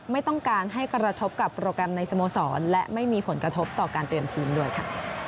ไม่ต้องการให้กระทบกับโปรแกรมในสโมสรและไม่มีผลกระทบต่อการเตรียมทีมด้วยค่ะ